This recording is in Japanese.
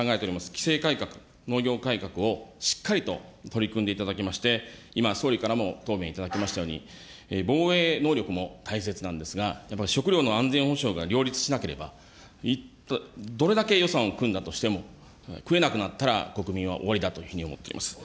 規制改革、農業改革をしっかりと取り組んでいただきまして、今、総理からも答弁いただきましたように、防衛能力も大切なんですが、やっぱり食料の安全保障が両立しなければ、どれだけ予算を組んだとしても、食えなくなったら国民は終わりだというふうに思っております。